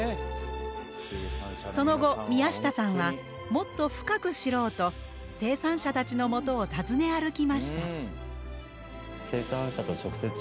その後、宮下さんはもっと深く知ろうと生産者たちのもとを訪ね歩きました。